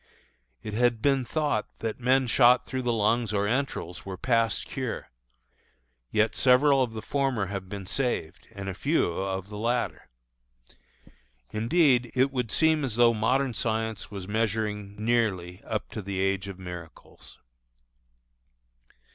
It had been thought that men shot through the lungs or entrails were past cure, yet several of the former have been saved, and a few of the latter. Indeed, it would seem as though modern science was measuring nearly up to the age of miracles.